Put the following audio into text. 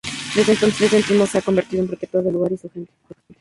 Desde entonces san Primo se ha convertido en protector del lugar y su gente.